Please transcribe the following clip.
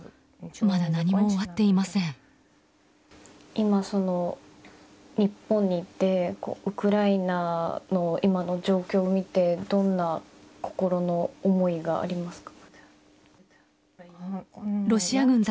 今、日本にいてウクライナの今の状況を見てどんな心の思いがありますか？